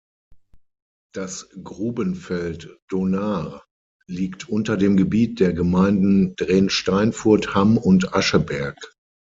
Das Grubenfeld Donar liegt unter dem Gebiet der Gemeinden Drensteinfurt, Hamm und Ascheberg.